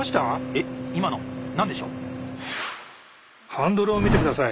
ハンドルを見て下さい。